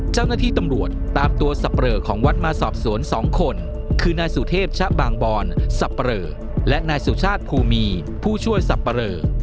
เจ้าหน้าที่ตำรวจตามตัวสับเปรอของวัดมาสอบสวน๒คนคือนายสุเทพชะบางบอนสับปะเรอและนายสุชาติภูมีผู้ช่วยสับปะเรอ